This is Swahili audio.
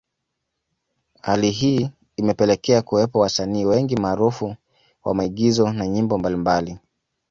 Hali hii imepelekea kuwepo wasanii wengi maarufu wa maigizo na nyimbo mbalimbali